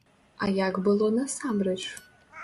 А як было насамрэч?